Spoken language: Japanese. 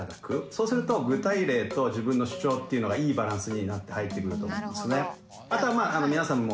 そうすると具体例と自分の主張っていうのがいいバランスになって入ってくると思うんですね。